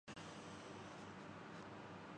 وہ مرے ہو کے بھی مرے نہ ہوئے